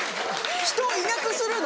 人をいなくするの？